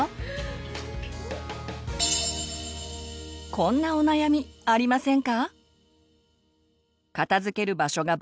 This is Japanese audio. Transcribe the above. こんなお悩みありませんか？